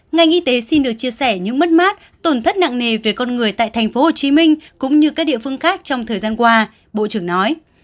ngành y tế xin được chia sẻ những mất mát tổn thất nặng nề về con người tại tp hcm cũng như các địa phương khác trong thời gian qua bộ trưởng nói